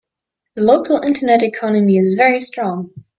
The local internet economy is very strong.